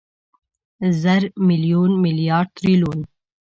زر، ميليون، ميليارد، تریلیون